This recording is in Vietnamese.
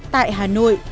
tại hà nội